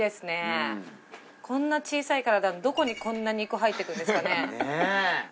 こんな小さい体のどこにこんな肉入っていくんですかね。